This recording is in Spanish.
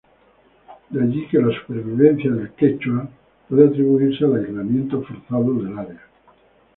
De allí, que la supervivencia del quechua puede atribuirse al aislamiento forzado del área.